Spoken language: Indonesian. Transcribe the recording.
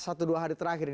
satu dua hari terakhir